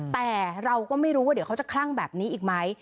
แต่เราก็ไม่รู้ว่าเดี๋ยวเขาจะคลั่งแบบนี้อีกไหม